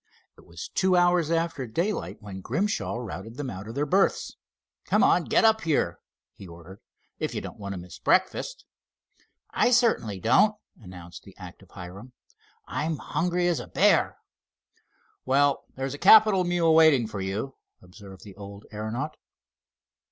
It was two hours after daylight when Grimshaw routed them out of their berths. "Come, get up here," he ordered; "if you don't want to miss breakfast." "I certainly don't," announced the active Hiram. "I'm hungry as a bear." "Well, there's a capital meal waiting for you," observed the old aeronaut.